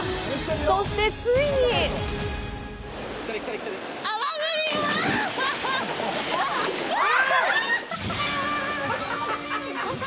そして、ついにわあ！